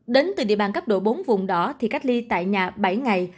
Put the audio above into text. đến từ địa bàn cấp độ bốn vùng đó thì cách ly tại nhà bảy ngày